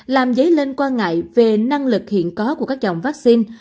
làm dấy lên quan ngại về năng lực hiện có của các dòng vaccine